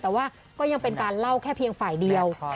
แต่ว่าก็ยังเป็นการเล่าแค่เพียงฝ่ายเดียว